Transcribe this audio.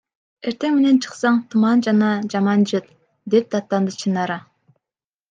Эртең менен чыксаң — туман жана жаман жыт, – деп даттанды Чынара.